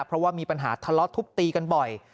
เพราะว่ามีปัญหาทะเลาะทุบตีกันบ่อย